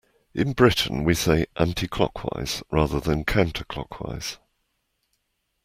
In Britain we say Anti-clockwise rather than Counterclockwise